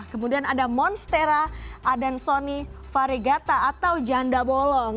kemudian ada monstera adansonifaregata atau janda bolong